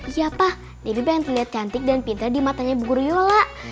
iya pak debbie pengen terlihat cantik dan pintar di matanya ibu guru yola